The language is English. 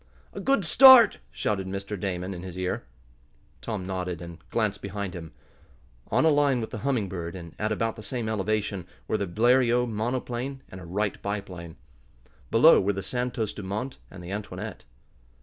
"A good start!" shouted Mr. Damon in his ear. Tom nodded, and glanced behind him. On a line with the Humming Bird, and at about the same elevation, were the Bleriot monoplane and a Wright biplane. Below were the Santos Dumont and the Antoinette.